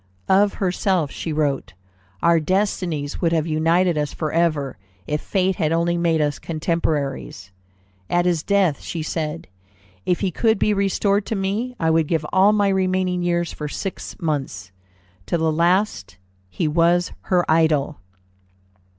Of herself she wrote, "Our destinies would have united us forever, if fate had only made us contemporaries." At his death she said, "If he could be restored to me, I would give all my remaining years for six months." To the last he was her idol.